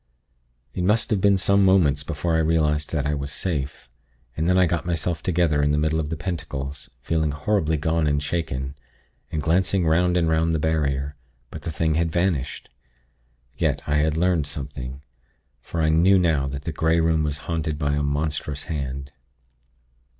"It must have been some moments before I realized that I was safe; and then I got myself together in the middle of the pentacles, feeling horribly gone and shaken, and glancing 'round and 'round the barrier; but the thing had vanished. Yet, I had learnt something, for I knew now that the Grey Room was haunted by a monstrous hand.